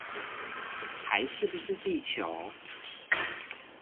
還是不是地球